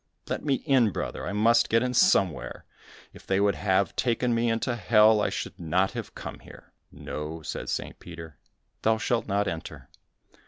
"Let me in, brother; I must get in somewhere; if they would have taken me into Hell, I should not have come here." "No," said St. Peter, "thou shalt not enter."